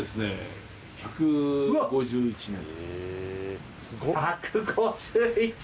１５１年。